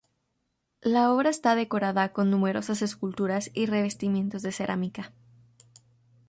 La obra está decorada con numerosas esculturas y revestimientos de cerámica.